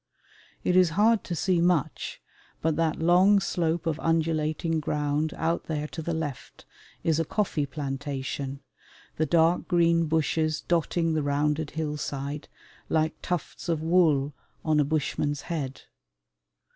It is hard to see much, but that long slope of undulating ground out there to the left is a coffee plantation, the dark green bushes dotting the rounded hillside like tufts of wool on a Bushman's head.